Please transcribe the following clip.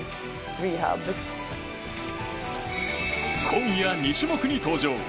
今夜２種目に登場。